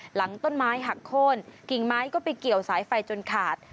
หลังต้นไม้หักโค้นกิ่งไม้ก็ไปเกี่ยวสายไฟจนขาด